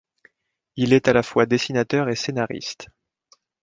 Il est à la fois dessinateur et scénariste.